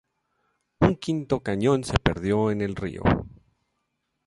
Un quinto cañón se perdió en el río.